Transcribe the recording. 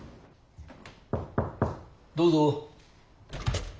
どうぞ。